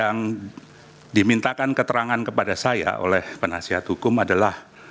yang dimintakan keterangan kepada saya oleh penasihat hukum adalah